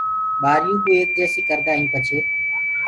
ٻآريو ڪو ايڪ جيسي ڪردآ هين پڇي